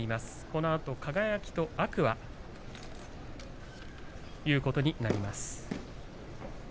このあと輝と天空海ということになります。